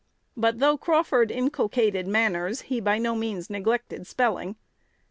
But, though Crawford inculcated manners, he by no means neglected spelling.